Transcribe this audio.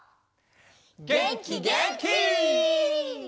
げんきげんき！